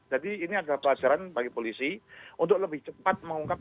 jadi ini adalah pelajaran bagi polisi untuk lebih cepat mengungkap